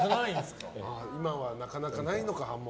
今はなかなかないのか、破門。